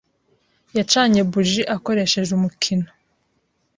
yacanye buji akoresheje umukino.